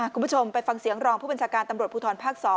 คุณผู้ชมไปฟังเสียงรองผู้บัญชาการตำรวจภูทรภาค๒